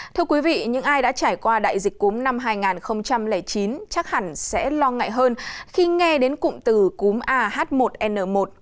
thưa quý vị những ai đã trải qua đại dịch cúm năm hai nghìn chín chắc hẳn sẽ lo ngại hơn khi nghe đến cụm từ cúm ah một n một